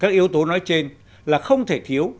các yếu tố nói trên là không thể thiếu